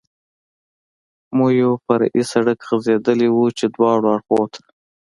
مو یو فرعي سړک غځېدلی و، چې دواړو اړخو ته.